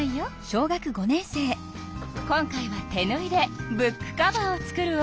今回は手ぬいでブックカバーを作るわ。